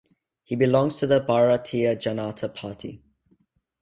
He belongs to the Bharatiya Janata Party.